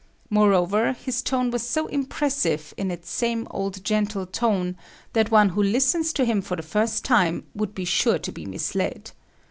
Moreover, his tone was so impressive in its same old gentle tone that one who listens to him for the first time would be sure to be misled.